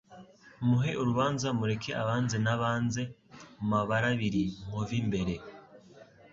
Muhe urubanza, mureke abanze Nabanze “Mabarabiri* Nkovimbere